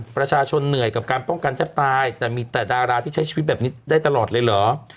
ประชาชนเหนื่อยกับการป้องกันแทบตายแต่มีแต่ดาราที่ใช้ชีวิตแบบนี้ได้ตลอดเลยเหรอ